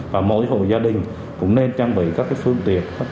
và mỗi hộ gia đình cũng nên trang bị các phương tiện các dụng cụ phòng cháy